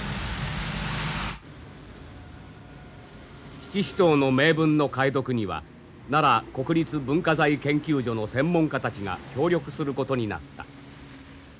七支刀の銘文の解読には奈良国立文化財研究所の専門家たちが協力することになった。